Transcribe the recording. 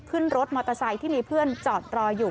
ขึ้นรถมอเตอร์ไซค์ที่มีเพื่อนจอดรออยู่